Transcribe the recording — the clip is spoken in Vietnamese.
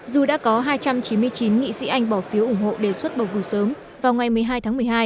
dù đã có hai trăm chín mươi chín nghị sĩ anh bỏ phiếu ủng hộ đề xuất bầu cử sớm vào ngày một mươi hai tháng một mươi hai